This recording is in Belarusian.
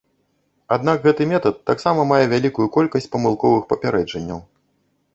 Аднак гэты метад таксама мае вялікую колькасць памылковых папярэджанняў.